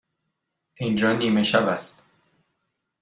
اینجا نیمه شب است.